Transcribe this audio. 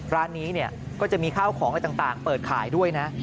ร้านนี้เนี่ยก็จะมีข้าวของต่างเปิดข่ายด้วยนะ